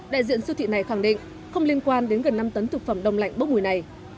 đại diện siêu thị này khẳng định không liên quan đến gần năm tấn thực phẩm đông lạnh bốc mùi này